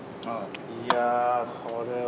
いやこれは。